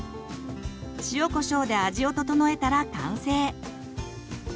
塩コショウで味を調えたら完成。